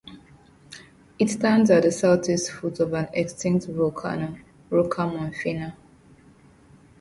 It stands at the southeast foot of an extinct volcano, Rocca Monfina.